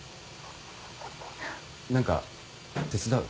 何か手伝う？